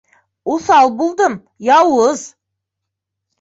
Уҫал булдым, яуыз!